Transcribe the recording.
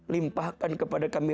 limpahkan kepada kami